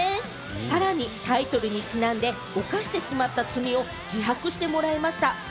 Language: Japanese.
さらに、タイトルにちなんで、犯してしまった罪を自白してもらいました。